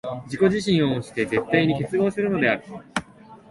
自己自身を翻して絶対に結合するのである。